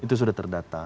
itu sudah terdata